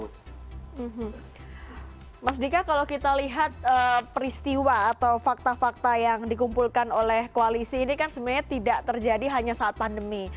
hmm mas dika kalau kita lihat peristiwa atau fakta fakta yang dikumpulkan oleh koalisi ini kan sebenarnya tidak terjadi hanya saat pandemi